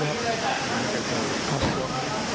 ไม่เคยคุยหรือโปรดเครื่องบ้างไงครับ